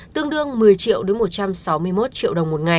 tương đương một mươi triệu đến một trăm linh triệu